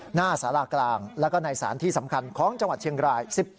หน้าสารากลางแล้วก็ในสารที่สำคัญของจังหวัดเชียงราย